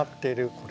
これ。